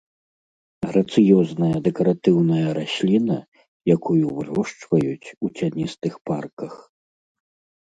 Грацыёзная дэкаратыўная расліна, якую вырошчваюць у цяністых парках.